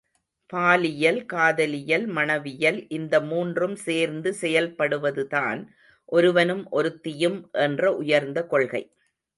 பாலியல் காதலியல் மணவியல் இந்த மூன்றும் சேர்ந்து செயல்படுவதுதான் ஒருவனும் ஒருத்தியும் என்ற உயர்ந்த கொள்கை.